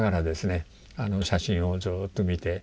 写真をずっと見て。